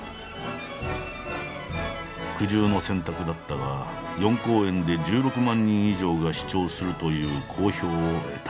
苦渋の選択だったが４公演で１６万人以上が視聴するという好評を得た。